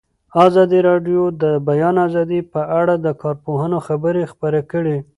ازادي راډیو د د بیان آزادي په اړه د کارپوهانو خبرې خپرې کړي.